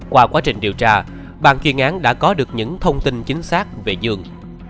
qua quá trình điều tra bàn chuyên án đã có được những thông tin chính xác về dương